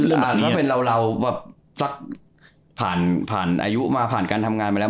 ถ้าเป็นเราสักผ่านอายุมาผ่านการทำงานไปแล้ว